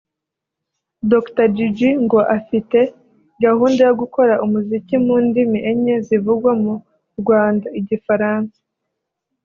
Dr Jiji ngo afite gahunda yo gukora umuziki mu ndimi enye zivugwa mu Rwanda Igifaransa